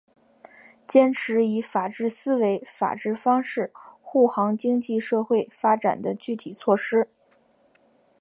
坚持以法治思维法治方式护航经济社会发展的具体措施